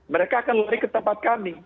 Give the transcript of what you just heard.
mereka akan lari ke tempat kami